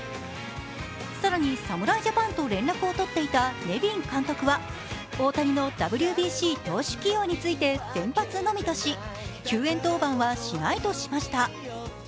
更に、侍ジャパンと連絡を取っていたネビン監督は大谷のＷＢＣ投手起用として先発のみとし、救援登板はしないとしました。